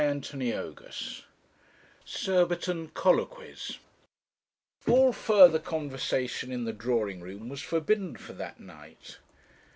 CHAPTER XXIII SURBITON COLLOQUIES All further conversation in the drawing room was forbidden for that night.